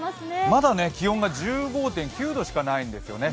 まだ気温が１５．９度しかないんですね。